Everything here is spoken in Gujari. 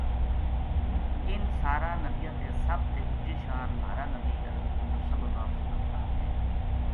ان ساراں نبیاں تے سب تے اچی شان مہارا بنی حضرت محمدﷺ کی ہے۔